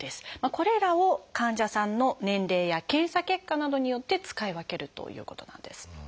これらを患者さんの年齢や検査結果などによって使い分けるということなんです。